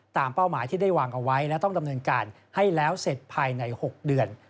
เป้าหมายที่ได้วางเอาไว้และต้องดำเนินการให้แล้วเสร็จภายใน๖เดือน